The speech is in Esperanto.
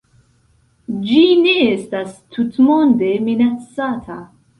Ĝi ne estas tutmonde minacata.